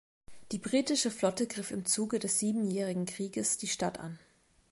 Die britische Flotte griff im Zuge des Siebenjährigen Krieges die Stadt an.